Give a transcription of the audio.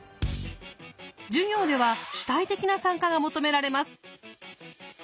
授業では主体的な参加が求められます。